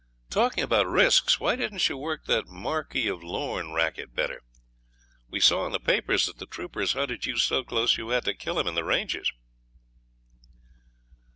'Talking about risks, why didn't you work that Marquis of Lorne racket better? We saw in the papers that the troopers hunted you so close you had to kill him in the ranges.'